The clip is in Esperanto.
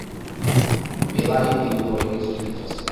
Belaj bildoj ne sufiĉas!